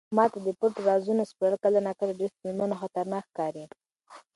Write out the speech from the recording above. ما ته د پټو رازونو سپړل کله ناکله ډېر ستونزمن او خطرناک ښکاري.